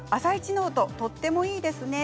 ノートとてもいいですね。